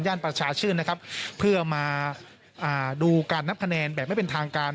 ประชาชื่นนะครับเพื่อมาดูการนับคะแนนแบบไม่เป็นทางการ